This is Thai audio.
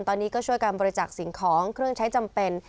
ตอนนี้ก็ช่วยการบริจักษ์สิ่งของเครื่องใช้จำเป็น